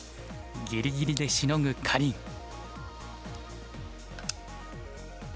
ギリギリでしのぐかりん。